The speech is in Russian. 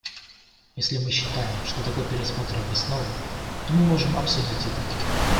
Если мы считаем, что такой пересмотр обоснован, то мы можем обсудить это.